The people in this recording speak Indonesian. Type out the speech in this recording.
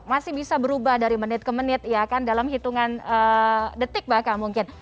masih bisa berubah dari menit ke menit ya kan dalam hitungan detik bahkan mungkin